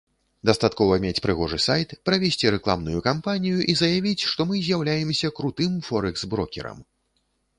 Дастаткова мець прыгожы сайт, правесці рэкламную кампанію і заявіць, што мы з'яўляемся крутым форэкс-брокерам.